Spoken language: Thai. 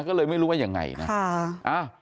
ก็เลยไม่รู้ว่ายังไงนะ